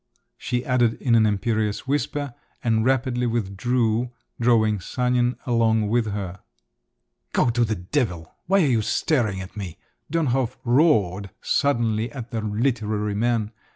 she added in an imperious whisper, and rapidly withdrew drawing Sanin along with her. "Go to the devil! Why are you staring at me?" Dönhof roared suddenly at the literary man.